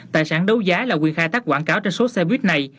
tài sản đấu giá là quyền khai thác quảng cáo trên số xe buýt này